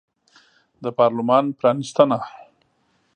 د پارلمان پرانیستنه